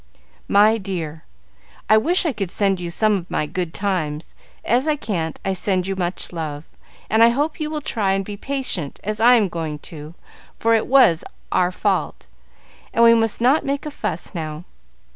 "My Dear, I wish I could send you some of my good times. As I can't, I send you much love, and I hope you will try and be patient as I am going to, for it was our fault, and we must not make a fuss now.